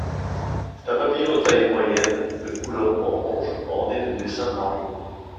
C'est un papillon de taille moyenne de couleur orange, orné de dessins marron.